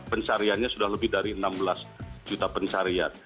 pencariannya sudah lebih dari enam belas juta pencarian